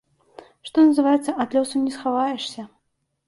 Што называецца, ад лёсу не схаваешся.